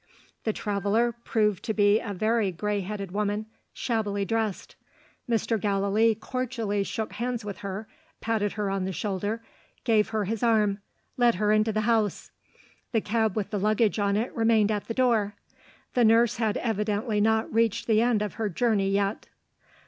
The traveller proved to be a grey headed woman, shabbily dressed. Mr. Gallilee cordially shook hands with her patted her on the shoulder gave her his arm led her into the house. The cab with the luggage on it remained at the door. The nurse had evidently not reached the end of her journey yet.